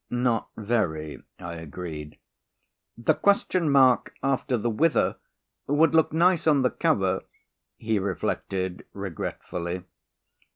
"Not very," I agreed. "The question mark after the 'Whither' would look nice on the cover," he reflected regretfully.